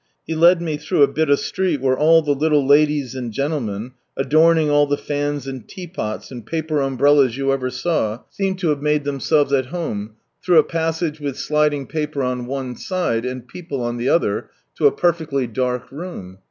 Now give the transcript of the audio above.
He led me through a bit of street where all the little ladies and gentlemen, adorn ing all the fans and teapots, and paper umbrellas you ever saw, seemed lo have made themselves at home — through a passage with sliding paper on one side, and people on the other, to a perfectly dark room.